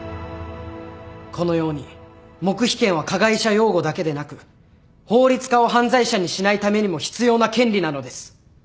このように黙秘権は加害者擁護だけでなく法律家を犯罪者にしないためにも必要な権利なのです。